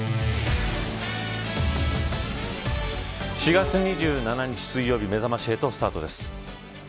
４月２７日水曜日めざまし８スタートです。